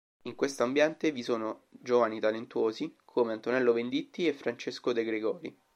In questo ambiente vi sono giovani talentuosi come Antonello Venditti e Francesco De Gregori.